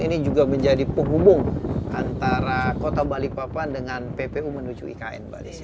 ini juga menjadi penghubung antara kota balikpapan dengan ppu menuju ikn mbak desi